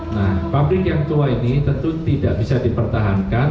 nah pabrik yang tua ini tentu tidak bisa dipertahankan